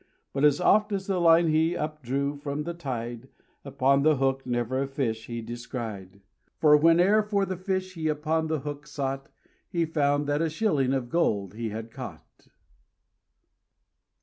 But as oft as the line he up drew from the tide, Upon the hook never a fish he descried. For whene'er for the fish he upon the hook sought, He found that a shilling of gold he had caught.